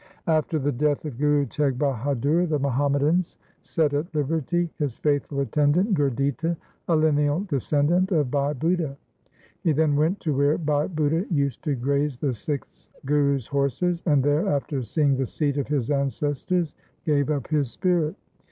After the death of Guru Teg Bahadur the Muham madans set at liberty his faithful attendant Gurditta, a lineal descendant of Bhai Budha. He then went to where Bhai Budha used to graze the sixth Guru's horses, and there after seeing the seat of his ancestors gave up his spirit.